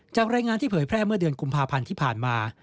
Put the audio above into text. จากรายงานที่เผยแพร่เมื่อเดือนกุมภาพันธ์ที่ผ่านมา